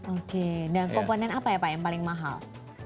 oke dan komponen apa ya pak yang paling mahal